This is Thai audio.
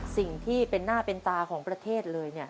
สิ่งที่เป็นหน้าเป็นตาของประเทศเลย